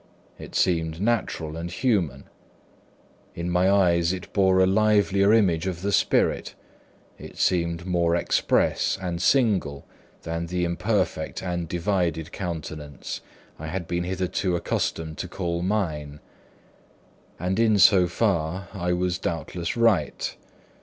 It seemed natural and human. In my eyes it bore a livelier image of the spirit, it seemed more express and single, than the imperfect and divided countenance I had been hitherto accustomed to call mine. And in so far I was doubtless right.